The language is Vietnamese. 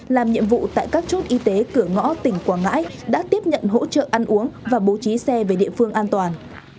làm nhiệm vụ tại các chốt y tế cửa ngõ tỉnh quảng ngãi đã tiếp nhận hỗ trợ ăn uống và bố trí xe về địa phương an toàn